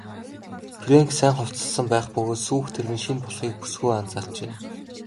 Фрэнк сайн хувцасласан байх бөгөөд сүйх тэрэг нь шинэ болохыг бүсгүй анзаарчээ.